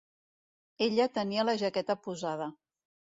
Ella tenia la jaqueta posada.